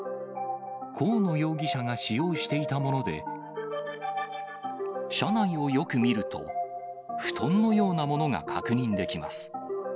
河野容疑者が使用していたもので、車内をよく見ると、布団のようなものが確認できます。